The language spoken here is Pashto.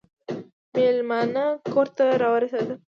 مېلمانه کور ته راورسېدل .